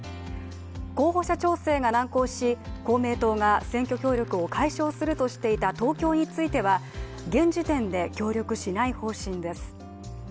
候補者調整が難航し公明党が選挙協力を解消するとしていた東京については現時点で協力しない方針です。